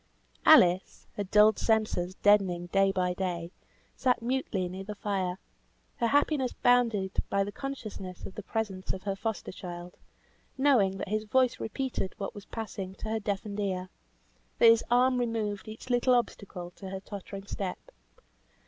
Alice, her dulled senses deadening day by day, sat mutely near the fire; her happiness, bounded by the circle of the consciousness of the presence of her foster child, knowing that his voice repeated what was passing to her deafened ear, that his arm removed each little obstacle to her tottering steps.